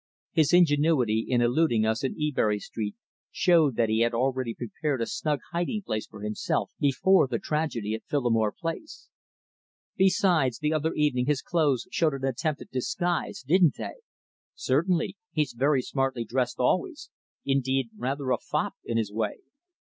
"His ingenuity in eluding us in Ebury Street showed that he had already prepared a snug hiding place for himself before that tragedy at Phillimore Place. Besides, the other evening his clothes showed an attempt at disguise didn't they?" "Certainly. He's very smartly dressed always; indeed, rather a fop in his way."